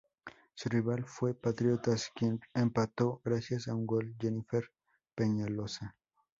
Su rival fue Patriotas, quien empató gracias a un gol Jennifer Peñaloza.